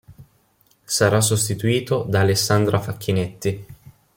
Sarà sostituito da Alessandra Facchinetti.